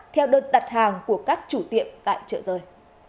theo đơn đặt hàng của các chủ tiệm tại chợ rơi